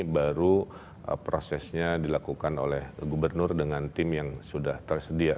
baru prosesnya dilakukan oleh gubernur dengan tim yang sudah tersedia